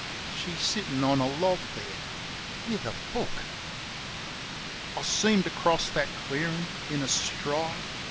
... She's sittin' on a log there ^with a book! I seem to cross that clearin' in a stride.